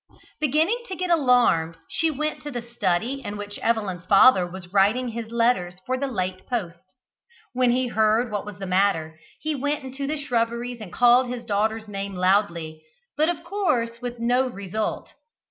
Beginning to get alarmed, she went to the study in which Evelyn's father was writing his letters for the late post. When he heard what was the matter, he went into the shrubberies and called his daughter's name loudly, but of course with no result.